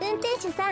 さん